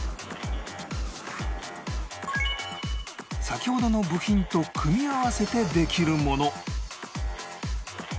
先ほどの部品と組み合わせてできるもの